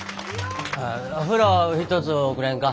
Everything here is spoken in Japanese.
お風呂ひとつおくれんか。